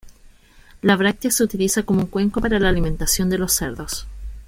La bráctea se utiliza como un cuenco para la alimentación de los cerdos.